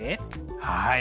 はい。